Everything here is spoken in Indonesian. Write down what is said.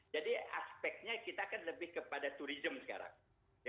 jadi aspeknya kita kan lebih kepada turisme sekarang